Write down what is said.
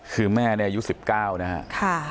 คือแม่นี้ยุค๑๙นะครับ